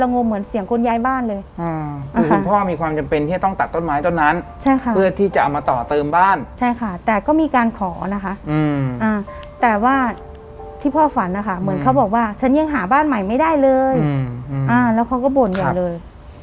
คือคุณพ่อมีความจำเป็นที่จะต้องตัดต้นไม้ต้นนั้นใช่ค่ะเพื่อที่จะเอามาต่อเติมบ้านใช่ค่ะแต่ก็มีการขอนะคะอืมอ่าแต่ว่าที่พ่อฝันนะคะเหมือนเขาบอกว่าฉันยังหาบ้านใหม่ไม่ได้เลยอืมอืมอ่าแล้วเขาก็บ่นอย่างเลย